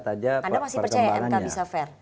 anda masih percaya mk bisa fair